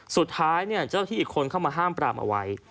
สุดท้ายเจ้าที่อีกคนเข้ามาห้ามปรามเอาไว้